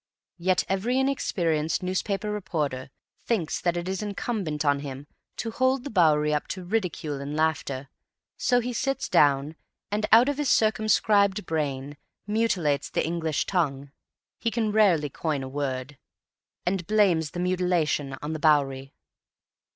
Yet every inexperienced newspaper reporter thinks that it is incumbent on him to hold the Bowery up to ridicule and laughter, so he sits down, and out of his circumscribed brain, mutilates the English tongue (he can rarely coin a word), and blames the mutilation on the Bowery.